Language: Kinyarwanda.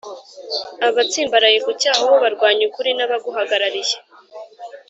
abatsimbaraye ku cyaha bo barwanya ukuri n’abaguhagarariye